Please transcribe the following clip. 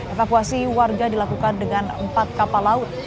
evakuasi warga dilakukan dengan empat kapal laut